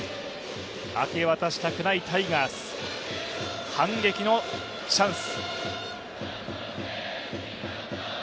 明け渡したくないタイガース、反撃のチャンス。